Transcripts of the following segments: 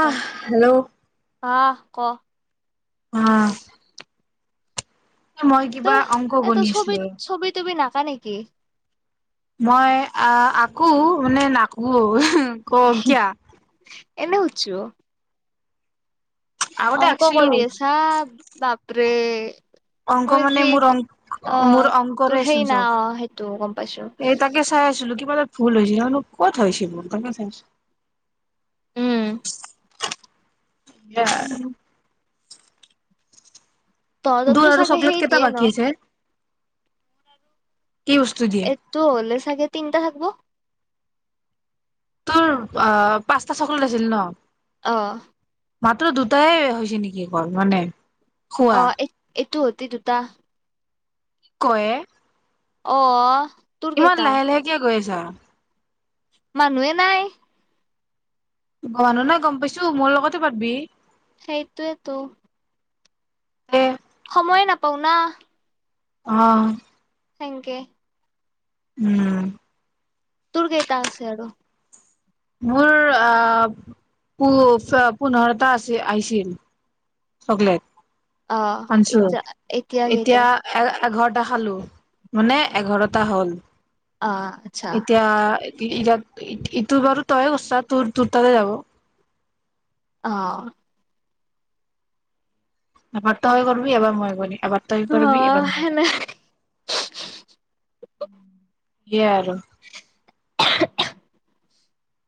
আহ হেল্ল' আহ ক আহ মই কিবা তই অংক গণিছো কা নেকি? মই আ আকো মানে নাকো। ক কিয়া। এনে সুধছোঁ। আগতে অংক আঁকিছিলো কৰি আছা? বাপৰে। অংক মই যি মানে মোৰ অ' মোৰ তোৰ অংকৰে সেই চোন না চব, অ সেইটো গম পাইছো এই তাকে চাই আছিলো কি, কিবা এটা ভুল হৈছিল জানোঁ ক'ত হয়ছে ভুল তাকেই চাই আছোঁ। উম, উম [unintelligible] দূধ তহততো আৰু চাগে সেই চকলেট কেইটা দিয়ে ন বাকী আছে? কি বস্তু দিয়ে এইটো হলে ছাগে তিনটা থাকব। তোৰ অ 'পাঁচটা চকলেট আছিল ন? অহ, - মাত্ৰ দুটাই হৈছে নেকি কল মানে। খোৱা অ' এইটোত? তি - দুটা, কি কয়ে - অহ, ইমান লাহে- লাহে কিয় গৈ আছা? মানুহে নাই। মানুহ নাই গম পাইছো মোৰ লগতে পাতবি, সেইটোৱেটো, - [unintelligible] সময়ে নাপাওঁ না। অহ, হেংকে। উম, তোৰ কেইটা আছে আৰু? মোৰ আহ, পো -পোন্ধৰটা আছে -আহিছিল। চকলেট। অহ আনছো ' ইতিয়া কেইটা? এতিয়া এ এঘাৰটা খালো, মানে এঘাৰটা হ'ল। অ ', আচ্ছা। ইাত ইটো বাৰু তয়ে কৰছা তোৰ, তোৰ তাতে যাব। অ, এবাৰ তই কৰিবি, এবাৰ মই কৰিম। এবাৰ তই কৰিবি এবাৰ অ' মই সেনে কৰিম সেয়ে আৰু। [unintelligible]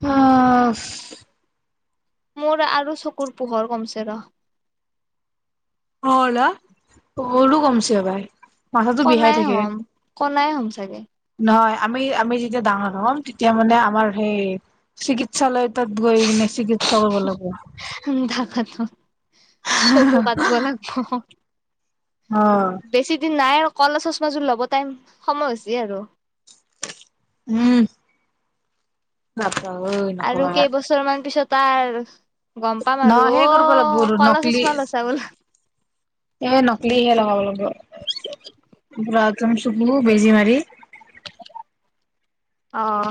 পাফ - মোৰ আৰু চকুৰ পোহৰ কমছে ৰ', অলা অলো কমছে ভাই। কণাই হ'ম, কণাই হ'ম চাগে। নহয় আমি আমি যেতিয়া ডাঙৰ হম, তেতিয়া মানে আমাৰ সেই চিকিৎসালয়ত। গৈনে চিকিৎসা কৰিবব লাগিব। তাকেতো চকু কাটব লাগিব। অ বেছি দিন নাই। ক'লা চচমাযোৰ ল'ব টাইম সময় হৈছে আৰু। উম। ন। আৰু কেইবছৰ মান পিছত। তাৰ। ন সে কৰিব লাগিব আৰু নকলি চচমা লৈছা বোলে এ নকলি হে লগাব লাগিবৰা [inaudible] একদম চুকো বেজি মাৰ। আহ।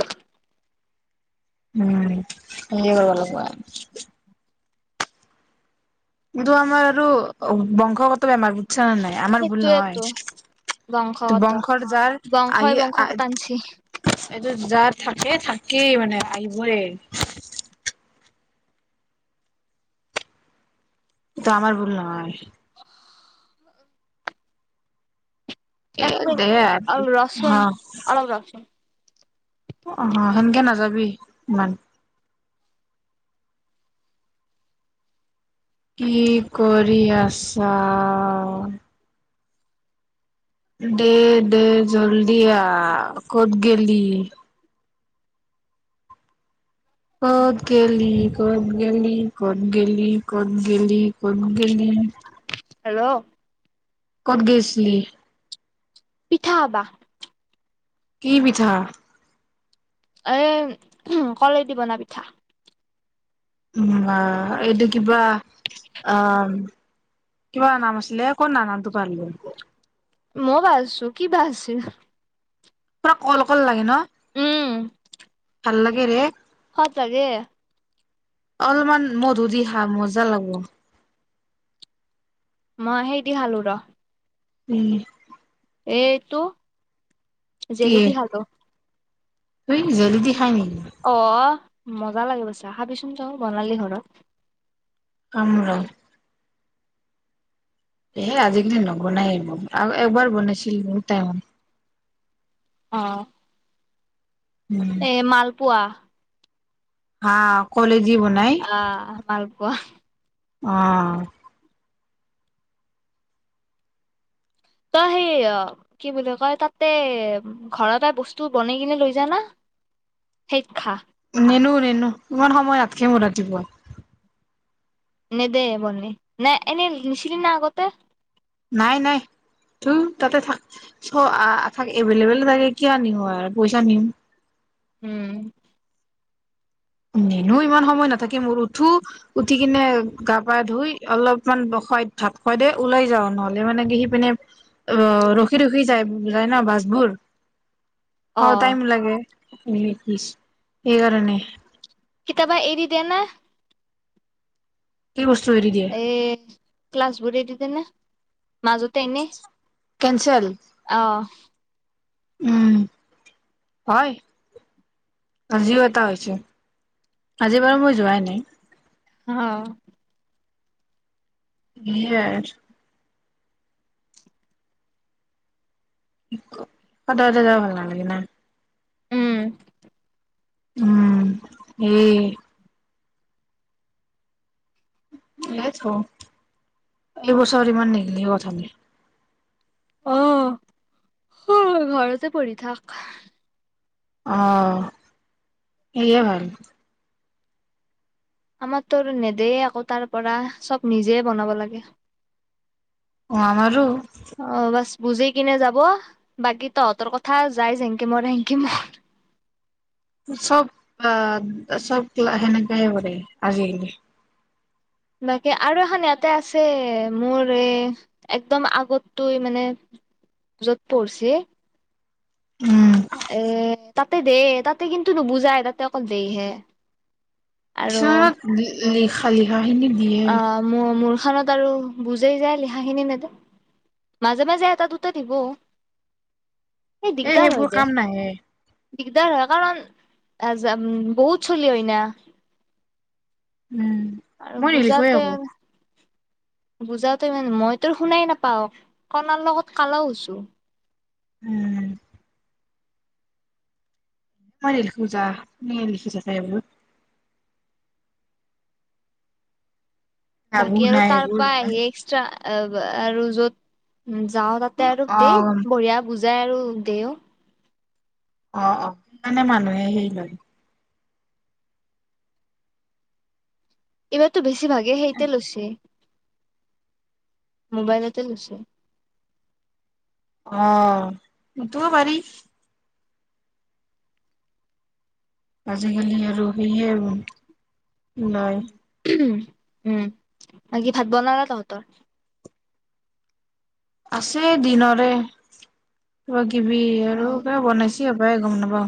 উম, স কৰিব লাগিব। কিন্তু আমাৰ আৰু বংশগত বেমাৰ। আচা ন নাই আমাৰ ভুল সেইটোয়েতো নাই, বংশগত বংশ যাৰ আহি। বংশই বংশক টানছি এইটো যাৰ থাকে থাকেই মানে আহিবই। তো আমাৰ আমাৰ ভোল নাই। এ এক মিনিট দে অলপ হ ৰচোন [unintelligible] অলপ ৰচোন অ, সেনেকে নাযাবি ইমান। কি কৰি আছা [inaudible] দে দে, জল্দি আ ক'ত গেলি। ক'ত গেলি, ক'ত গেলি ক'ত গেলি ক'ত গেলি ক'ত গেলি। হেল্ল'। ক'ত গৈছিলি? পিঠাবা। কি পিঠা? এ, কলেদি বনা পিঠা উম, এইটো। কিবা অ। কিবা নাম আছিলে ক না, নামটো পাহৰি থাকিলোঁ। মইও ভাবিছোঁ কিবা আছিল? পুৰা কল কল লাগে ন। উম। ভাল লাগেনে। স পাৰে। অলপমান মধু দি খা, মজা লাগব। মই সেই দি খালো ৰ। উম। এইটো। জেলেবি খালো তুই জেলাবি খাই নেকি? অ মজা লাগিব চা খাবিচোন চা বনাবি ঘৰত খাম ৰ এ আজি কালি নবনাই এইবোৰ আৰু এইবাৰ বনাইছিল বহুত টাইমত অঁ উম এ মালপোৱা হা কলেজ অঁ মাল ওৱাহ অঁ তই সেই অঁ কি বুলি কয়, তাতে ঘৰতে বস্তু বনাই কিনে লৈ যানা সেই খা নিনো? নিনো ইমান সময় নাথকে মোৰ ৰাতিপুৱা নেদে বনাই এনেই নিছিলে নে আগতে নাই নাই ত তাতে থাক চ থ এভেইলেবলে থাকে কিয় নিম আৰু পইচা নিম উম নেনো ইমান সময় নাথাকি মোৰ উঠো উঠি কিনে গা পা ধুই অলপমান ব খাই ভাত খুৱাই দ ওলাই যাওঁ নহলে মানে কি সি পিনে আহ ৰখি ৰখি যায় যায় ন বাছবোৰ হ অ টাইম লাগে স কিছ এই কাৰণে সেই কাৰণেই এৰি দিয় না কি বস্তু হেৰি দিয়ে এ ক্লাছ বোৰ তেনে মাজতে এনেই কেনচেল আহ উম হয় আজিও এটা হৈছে আজি বাৰু মই যোৱাই নাই। অঁ ই কত নেযাওঁ ভাল নালাগি ন উম উম এ এইতো এইবছৰ ইমান নেগিলি কথা ন আহ ঘৰতে পৰি থাক আহ সেই হয় আমাৰতো নেদে আকৌ তাৰ পৰা চব নিজে বনাব লাগে অঁ আমাৰো অ বাছ বুজি কিনে যাব বাকী তহঁতৰ কথা যাই জেংকিমৰ হেংকিমৰ চব আহ চব সেনেকৈ মানে আজি বাকী আৰু এখন ইয়াতে আছে মোৰ এ একদম আগতো মানে য'ত পঢ়িছে উম এ তাতে দেেই তাতে কিন্তু নুবুজাই তাতে অকল দে হে কিছুমান নি খালি হয় অঁ মোৰ মোৰ খানত আৰু বুজেই যায় লিখাখিনি নেদে মাজে মাজে এটা দুটা দিব এই এ দিগদাৰ সেইবোৰ হয় দে কাম নাহে দিগদাৰ হয় কাৰণ আ বহুত চলি হয়না উম মই নিলিখোয় আকৌ বুজাতে ইমান মই তোৰ শুনাই নাপাও কাণৰ লগত কালাওছো উম মান লিখোছা লিখিছা চবোৰ ভাবো বাকী আৰু নাই তাৰ এইবোৰ পৰা ইমান আহি এক্সট্ৰা আৰু য'ত উ যাও তাতে আৰু দেই অ', বঢ়িয়া গুজ যায় আৰু দেওঁ অঁ অঁ সেইকাৰণেহে মানুহে হেৰি নকৰে এই বাৰ্তা বেছি বেছি ভাগে সেইতে লৈছে মোবাইলতে লৈছে আঁহ তোমাৰ পাৰি আজিকালি আৰু সেয়ে আৰু উম উম বাকি ভাত বনালা তহঁতৰ আছে দিনৰে কিবি অ আৰু কিবা বনাইছেো কি হব গম নাপাওঁ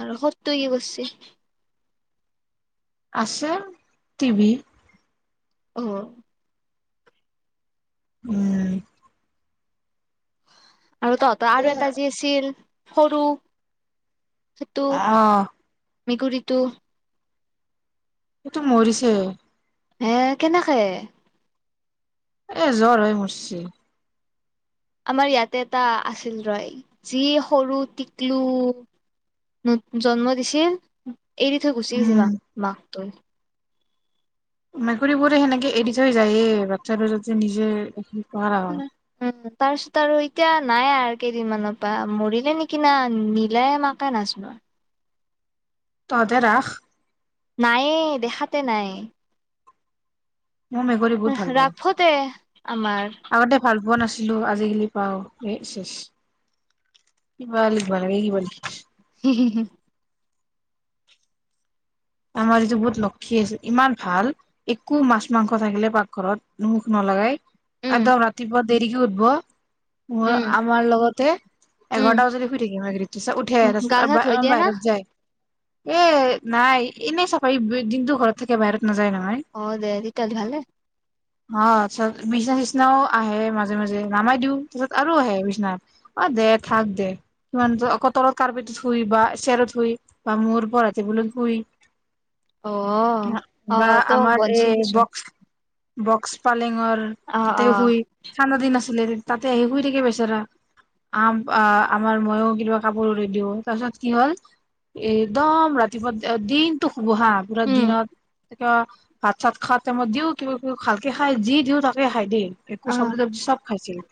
আৰু সত কি গৈছে আছে টিভি আঁহ উম আৰু তহঁতৰ এ আৰু এটা যি আছিল সৰু সেইটো আহ মেকুৰীটো সটো মৰিছে এ কেনেকে এ জ্বৰ হয় মঠছি আমাৰ ইয়াতে এটা আছিল ৰয় যি সৰু টিকলু জন্ম দিছিল। এইদিত গুচি উম, মাক মাকটো মেকুৰীবোৰে সেনেকে এৰি থৈ যায়েই বাচ্ছাটো যাতে নিজে কৰা হয়। উ তাৰছতে আৰু ঐ এতিয়া নাই আৰু কেইদিনমানৰ পৰা মৰিলে নেকি না নীলাই মাকে নাজো আৰু তহঁতে ৰাখ। নাইে দেখাতে নাই, মোৰ মেকুৰী বহুত ভাল ৰাখোতে পাওঁ আমাৰ আগতে ভাল লিব নাছিলো আজিকালি পাও এ চেছ কিবা লিখিব লাগে কিবা লিখি হো হো হো। আমাৰ যিটো বহুত লক্ষী আছিল ইমান ভাল একো মাছ, মাংস থাকিলে পাকঘৰত মুখ নলগাই। আদ উম ৰাতিপোৱাৰ। দেৰিকে উঠব। মোৰ উম আমাৰ লগতে উম এঘাৰটা বজালৈ শুই থাকিব উঠি গা চা ধুই আহ দিয়ে না বাহিৰত যায়। এ নাই। এনেই চাফা দিনটো ঘৰত থাকে বাহিৰ। অঁ দে দি কলে ভালে। অঁ চ বিস্না চিচা। মাজে মাজে নামাই দিওঁ তত। আৰু আহে বিচনাত অঁ, দে থাক দে কিমান অক তলত কাৰ্পেটত শুই বা চেত শুই বা মোৰ পৰা ৰাতি বুলত শুই। অঁ বা অঁ, ত আমাৰ এই বনছিলি লৈছো। বক্স বক্স পালেঙৰ, তি শ ঠাণ্ডা দিন আ। তাতে আহি শুই থাকে বেচেৰা আম আমাৰ ময়ো কিবা কাপোৰ ৰুৰে দিওঁ তাৰপিছত কি হ'ল এ একদম ৰাতিপুৱা দিন। বুহা পুৰা উম দিনত। কিবা ভাত চাত খাত টাইমত দিও কিবা কিবি ভালকে খাই যি দিও তাকে খাই দি। অ একো চবজি চব্জি চব খাইছিলে।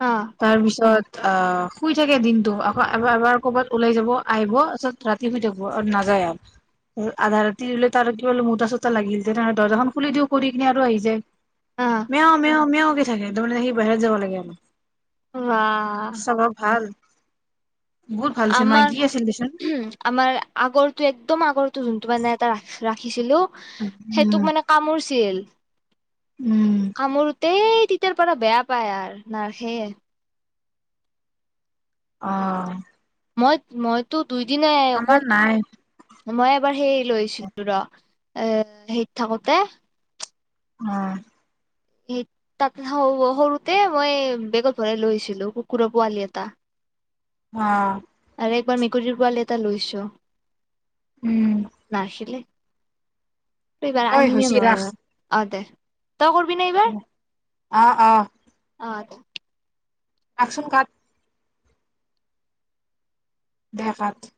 অ তাৰ পিছত। অহ, শুই থাকে দিনতটো আকৌ এব এবাৰ ক'বাত ওলাই যাব আহিব তাৰপিছত ৰাতি শুই থাকিব আৰু নাযায় আৰু। আধা ৰাতি দলে ত আৰু কিবা মোতা চোতা লাগিল তেনেহলে দৰ্জাখন খুলি দিও কৰি কিনে আৰু আহি যায়। অ মেঅ মেঅ। থাকে তাৰে সি বাহিৰত যাব লাগে আমাক। ৱাহ। বহুত ভাল আছিল আমাৰ মাইকী আছিল দেচোন উম আমাৰ আগৰটো একদম আগৰ। তো তোমাৰ মানে এটা ৰা ৰাখিছিলো। উম সেইটোক মানে কামোৰছিল। উম কামূৰ্তে। তেতিতাৰ পৰা বেয়া পায় আৰ নাহে। অঁ। মই মইতো দুইদিনাই আমাৰ কত নাই মই এবাৰ সেই লৈছিলো ৰ আহ সেইট থাকোতে উম সেই তাতে সৰুতে মই বেগত ভৰাই লৈ আহছিলো কুকুৰৰ পোৱালি এটা অঁ একবাৰ মেকুৰীৰ পোৱালি এটা লৈছো উম নাছিলে এইবাৰ ঐ আনিমে মই অঁ দে তই কৰিবি নে আহ আহ অঁ একা চোনকাৰ্ড দে কাৰ্ড